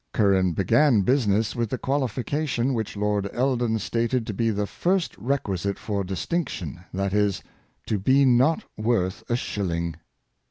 Curran began business with the qualification which Lord Eldon stated to be the first requisite for distinc tion, that is, '' to be not worth a shilling."